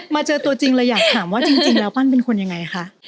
เจอตัวจริงเลยอยากถามว่าจริงแล้วปั้นเป็นคนยังไงคะ